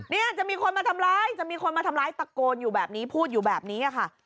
เนี่ยจะมีคนมาทำร้ายจะมีคนมาทำร้ายตะโกนอยู่แบบนี้พูดอยู่แบบนี้ค่ะ